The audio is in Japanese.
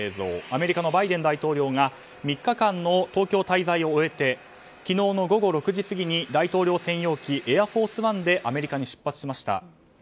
アメリカのバイデン大統領が３日間の東京滞在を終えて昨日の午後６時過ぎに大統領専用機「エアフォースワン」でアメリカに出発しました。